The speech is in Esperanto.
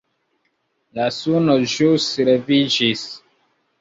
La suno ĵus leviĝis.